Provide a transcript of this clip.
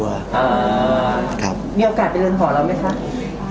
มีโอกาสไปเรียนหอแล้วไหมคะ